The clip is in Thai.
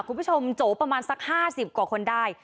คุณผู้ชมโจประมาณสัก๕๐กว่าคนได้